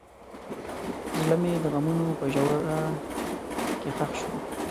زړه مې د غمونو په ژوره کې ښخ شو.